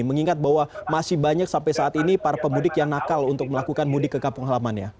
mengingat bahwa masih banyak sampai saat ini para pemudik yang nakal untuk melakukan mudik ke kampung halamannya